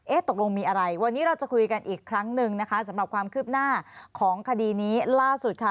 ตกลงมีอะไรวันนี้เราจะคุยกันอีกครั้งหนึ่งนะคะสำหรับความคืบหน้าของคดีนี้ล่าสุดค่ะ